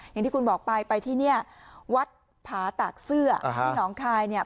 อย่างที่คุณบอกไปไปที่เนี่ยวัดผาตากเสื้อที่หนองคายเนี่ย